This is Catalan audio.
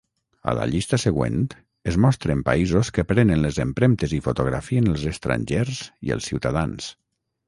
A la llista següent es mostren països que prenen les empremtes i fotografien els estrangers i els ciutadans.